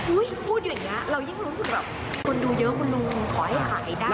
พูดอย่างนี้เรายิ่งรู้สึกแบบคนดูเยอะคุณลุงขอให้ขายได้